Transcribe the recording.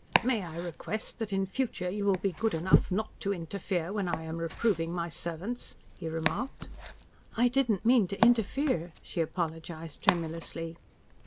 "May I request that in future you will be good enough not to interfere when I am reproving my servants," he remarked. "I didn't mean to interfere," she apologised tremulously.